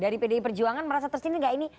dari pdi perjuangan merasa tersindir nggak ini